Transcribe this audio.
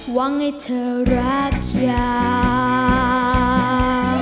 หวังให้เธอรักยาย